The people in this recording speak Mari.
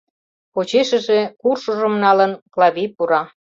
Почешыже, куршыжым налын, Клавий пура.